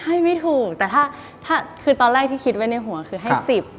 ให้ไม่ถูกแต่ถ้าคือตอนแรกที่คิดไว้ในหัวคือให้๑๐